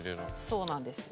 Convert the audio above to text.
そうなんです。